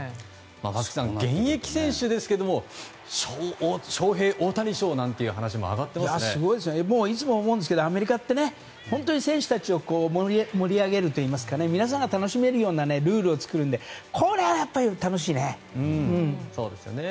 松木さん、現役選手ですがショウヘイ・オオタニ賞なんていう話もいつも思うんですがアメリカって本当に選手たちを盛り上げるといいますか皆さんが楽しめるようなルールを作るのでこれは楽しいね。